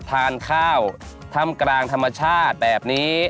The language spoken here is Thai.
ทานข้าวถ้ำกลางธรรมชาติแบบนี้